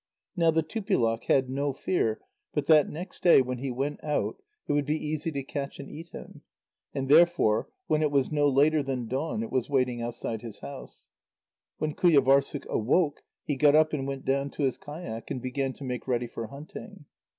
Now the Tupilak had no fear but that next day, when he went out, it would be easy to catch and eat him. And therefore, when it was no later than dawn, it was waiting outside his house. When Qujâvârssuk awoke, he got up and went down to his kayak, and began to make ready for hunting.